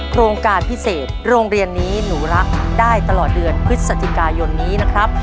โครงการพิเศษโรงเรียนนี้หนูรักได้ตลอดเดือนพฤศจิกายนนี้นะครับ